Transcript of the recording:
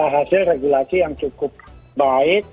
hasil regulasi yang cukup baik